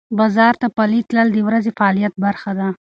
بازار ته پلي تلل د ورځې فعالیت برخه ده.